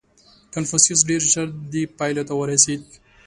• کنفوسیوس ډېر ژر دې پایلې ته ورسېد.